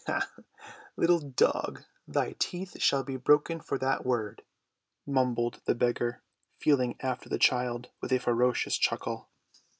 "Ah, little dog, thy teeth shall be broken for that word," mumbled the beggar, feeling after the child with a ferocious chuckle.